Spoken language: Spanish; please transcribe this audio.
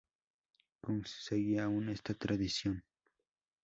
Kush seguía aún esa tradición.